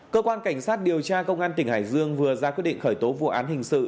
cơ quan cảnh sát điều tra công an tỉnh hải dương vừa ra quyết định khởi tố vụ án hình sự